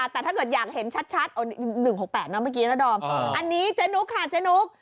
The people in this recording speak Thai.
แต่ถ้าเกิดอยากเห็นชัด๑๖๘นะเมื่อกี้นะดอมอันนี้เจ๊นุ๊กค่ะเจ๊นุ๊ก